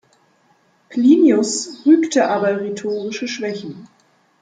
Plinius rügte aber rhetorische Schwächen.